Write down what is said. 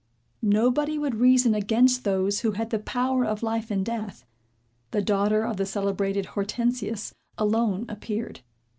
Nobody would reason against those who had the power of life and death. The daughter of the celebrated Hortensius alone appeared.